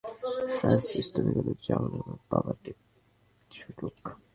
Francis, তুমি কেনো চাওনা আমার বাবা টেপটি শুনুক?